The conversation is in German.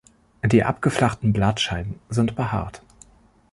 Die abgeflachten Blattscheiden sind behaart.